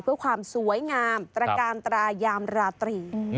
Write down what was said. เพื่อความสวยงามตระกาลตรายามราตรี